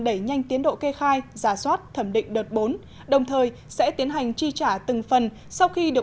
đẩy nhanh tiến độ kê khai giả soát thẩm định đợt bốn đồng thời sẽ tiến hành chi trả từng phần sau khi được